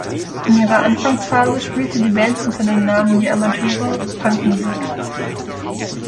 In ihrer Anfangsphase spielte die Band unter dem Namen „Die Amateure“ Punkmusik.